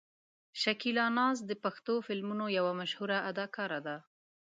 شکیلا ناز د پښتو فلمونو یوه مشهوره اداکاره ده.